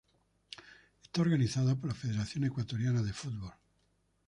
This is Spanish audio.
Es organizada por la Federación Ecuatoriana de Fútbol.